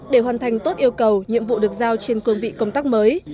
để hoàn thành tốt yêu cầu nhiệm vụ được giao trên cương vị công tác mới